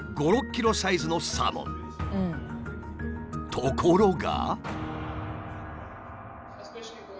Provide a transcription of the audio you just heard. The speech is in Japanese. ところが。